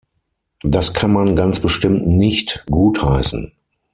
Das kann man ganz bestimmt nicht gutheißen.